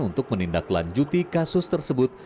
untuk menindaklanjuti kasus tersebut